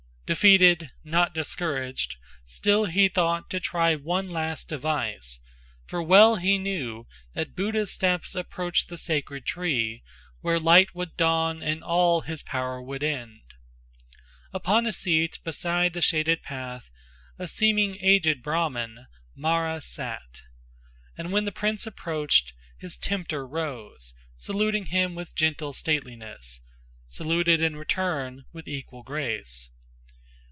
Defeated, not discouraged, still he thought To try one last device, for well he knew That Buddha's steps approached the sacred tree Where light would dawn and all his power would end. Upon a seat beside the shaded path, A seeming aged Brahman, Mara sat, And when the prince approached, his tempter rose, Saluting him with gentle stateliness, Saluted in return with equal grace.